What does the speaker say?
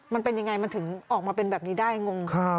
มันเป็นยังไงมันถึงออกมาเป็นแบบนี้ได้งง